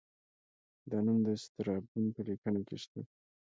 دا نوم د سترابون په لیکنو کې شته